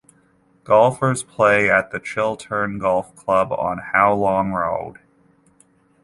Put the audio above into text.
Golfers play at the Chiltern Golf Club on Howlong Road.